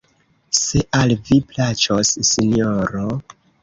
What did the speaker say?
Se al vi plaĉos, Sinjoro...